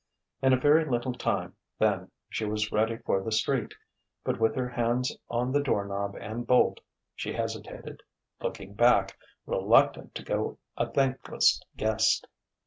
In a very little time then, she was ready for the street; but with her hands on the doorknob and bolt, she hesitated, looking back, reluctant to go a thankless guest.